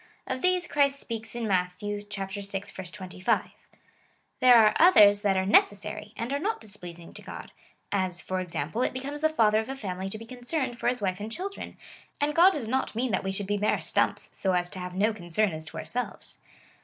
Of these Christ speaks in Matt. vi. 25. There are others that are necessary, and are not displeasing to God ; as, for examj)le, it becomes the father of a family to be concerned for his wife and children, and God does not mean that we should be mere stumj^s, so as to have no concern as to ourselves.